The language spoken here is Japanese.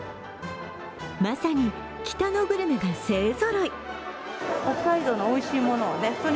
まさに、北のグルメが勢ぞろい。